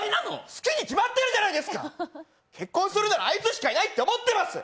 好きに決まってるじゃないですか結婚するならあいつしかいないって思ってます！